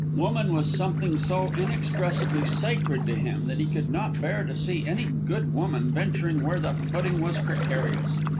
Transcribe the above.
Woman was something so inexpressibly sacred to him, that he could not bear to see any good woman venturing where the footing was precarious.